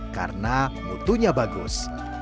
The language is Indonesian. karena mutunya bagus